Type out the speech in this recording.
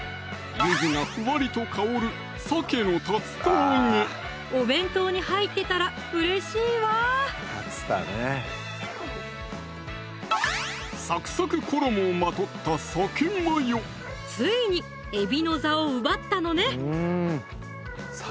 ゆずがふわりと香るお弁当に入ってたらうれしいわサクサク衣をまとったついにえびの座を奪ったのね！